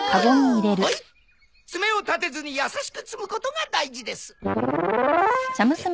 爪を立てずに優しく摘むことが大事です。